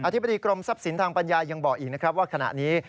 ธิบดีกรมทรัพย์สินทางปัญญายังบอกอีกนะครับว่าขณะนี้